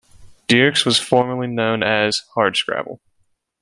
Dierks was formerly known as "Hardscrabble".